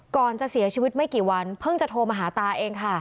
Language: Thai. ก่อนจะเสียชีวิตไม่กี่วันเพิ่งจะโทรมาหาตาเองค่ะ